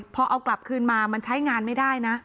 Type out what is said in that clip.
พอเอากลับคืนมามันใช้งานไม่ได้นะ